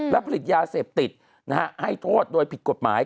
และผลิตยาเสพติดให้โทษโดยผิดกฎหมาย